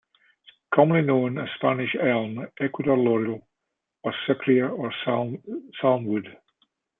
It is commonly known as Spanish elm, Ecuador laurel, cypre or salmwood.